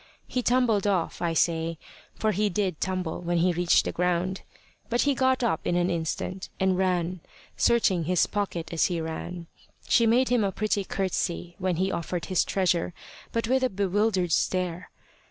He tumbled off, I say, for he did tumble when he reached the ground. But he got up in an instant, and ran, searching his pocket as he ran. She made him a pretty courtesy when he offered his treasure, but with a bewildered stare.